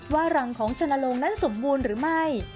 รังของชนโลงนั้นสมบูรณ์หรือไม่